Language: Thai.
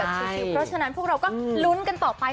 เพราะฉะนั้นพวกเราก็ลุ้นกันต่อไป